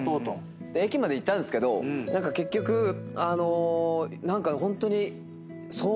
駅まで行ったんすけど何か結局何かホントに。